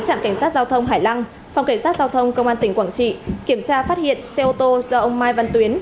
trạm cảnh sát giao thông hải lăng phòng cảnh sát giao thông công an tỉnh quảng trị kiểm tra phát hiện xe ô tô do ông mai văn tuyến